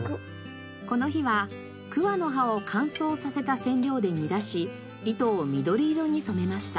この日は桑の葉を乾燥させた染料で煮出し糸を緑色に染めました。